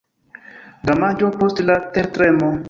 Damaĝo post la tertremo.